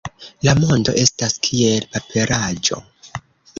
La mondo estas kiel paperaĵo.